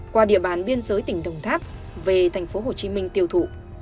qua địa bàn biên giới tỉnh đồng tháp về thành phố hồ chí minh tiêu thụ